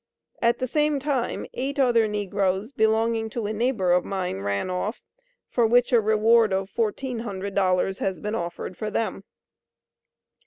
At the same time eight other negroes belonging to a neighbor of mine ran off, for which a reward of $1400.00 has been offered for them.